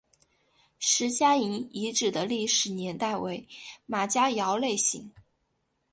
石家营遗址的历史年代为马家窑类型。